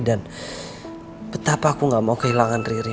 dan betapa aku gak mau kehilangan riri